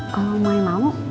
kalau mai mau